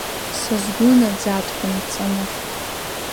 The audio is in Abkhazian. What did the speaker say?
Са сгәы наӡаҵәҟьом, ҵаны…